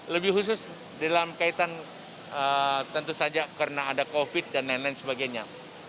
lebih khusus dalam kaitan tentu saja karena ada covid dan lain lain sebagainya